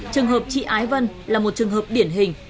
trường hợp chị ái vân là một trường hợp điển hình